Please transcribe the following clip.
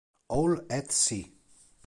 All at Sea